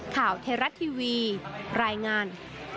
ข่าวเทราะท์ทีวีรายงาน